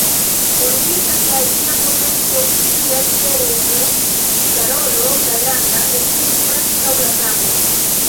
Politika kaj dia potenco, kiel ĉe reĝo Karolo la Granda, estis preskaŭ la samo.